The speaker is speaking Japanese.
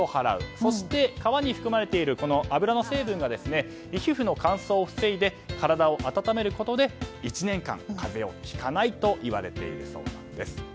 そして皮に含まれている油の成分が皮膚の乾燥を防いで体を温めることで１年間、風邪をひかないといわれているそうです。